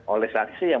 oleh saksi yang